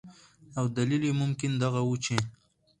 او دلیل یې ممکن دغه ؤ چې